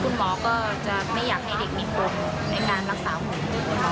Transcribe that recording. คุณหมอก็จะไม่อยากให้เด็กมีปมในการรักษาผม